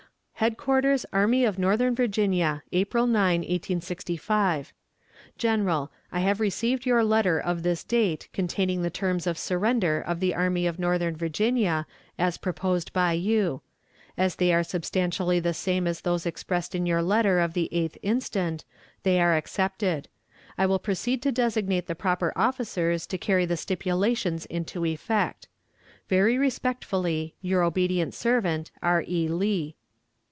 _" "HEADQUARTERS ARMY OF NORTHERN VIRGINIA, April 9, 1865. "GENERAL: I have received your letter of this date containing the terms of surrender of the Army of Northern Virginia, as proposed by you. As they are substantially the same as those expressed in your letter of the 8th inst., they are accepted. I will proceed to designate the proper officers to carry the stipulations into effect. "Very respectfully, your obedient servant, "R. E. LEE."